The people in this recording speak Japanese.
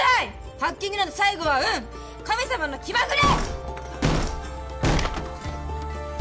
ハッキングなんて最後は運神様の気まぐれ！